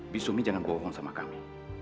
bi sumi jangan bohong sama kami